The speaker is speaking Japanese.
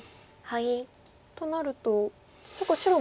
となると結構白も地は。